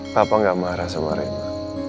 papa gak marah sama rena